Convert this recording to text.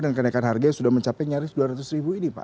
dengan kenaikan harga yang sudah mencapai nyaris dua ratus ribu ini pak